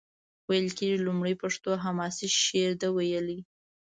ویل کیږي لومړنی پښتو حماسي شعر ده ویلی.